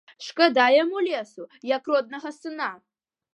Шкада яму лесу, як роднага сына.